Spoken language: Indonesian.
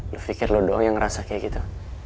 lu pikir lu doang yang ngerasa kayak gitu